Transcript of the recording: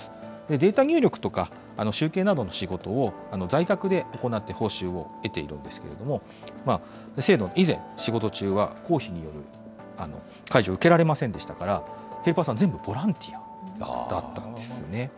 データ入力とか、集計などの仕事を在宅で行って、報酬を得ているんですけれども、制度以前、仕事中は、公費による介助を受けられませんでしたから、ヘルパーさん、全部ボランティアだったんですね。